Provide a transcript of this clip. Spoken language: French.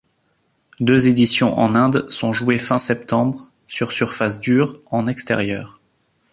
Deux éditions en Inde sont jouées fin septembre sur surface dure en extérieur.